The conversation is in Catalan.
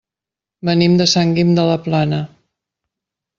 Venim de Sant Guim de la Plana.